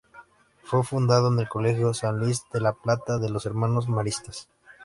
Fue fundado en el Colegio San Luis de La Plata de los Hermanos Maristas.